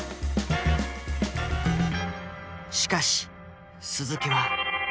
しかし鈴木は。